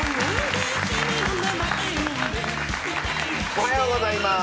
おはようございます。